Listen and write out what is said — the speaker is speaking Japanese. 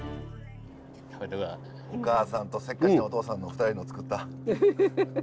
お母さんとせっかちなお父さんの２人の作った。